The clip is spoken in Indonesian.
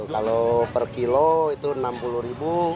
kalau per kilo itu rp enam puluh ribu